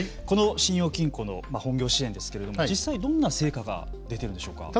この信用金庫の本業支援ですけれども実際どんな成果が出ているんでしょうか。